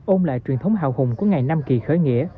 ôn lại truyền thống hào hùng của ngày nam kỳ khởi nghĩa